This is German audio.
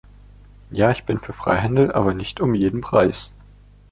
Ja, ich bin für Freihandel, aber nicht um jeden Preis!